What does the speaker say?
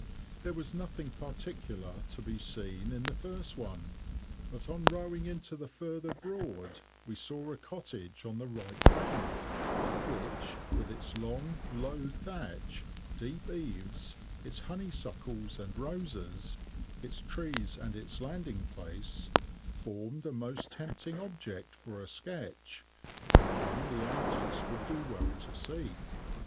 There was nothing particular to be seen in the first one; but on rowing into the further Broad, we saw a cottage on the right bank, which, with its long, low thatch, deep eaves, its honeysuckles and roses, its trees and its landing place, formed a most tempting object for a sketch, and one the artist would do well to seek.